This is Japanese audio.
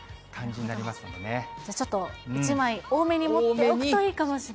じゃあ、ちょっと１枚多めに持っておくといいかもしれない。